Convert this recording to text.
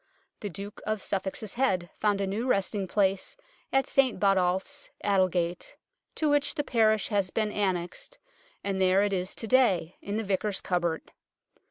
The Duke of Suffolk's head found a new resting place at St Botolph's, Aldgate, to which the parish has been annexed, and there it is to day, in the Vicar's cupboard.